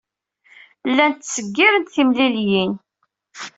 Llant ttseggirent timliliyin.